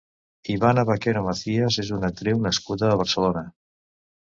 Ivana Baquero Macías és una actriu nascuda a Barcelona.